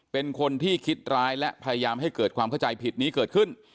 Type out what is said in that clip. เป็นคนที่คิดร้ายและพยายามให้เกิดความเข้าใจผิดนี้เกิดขึ้น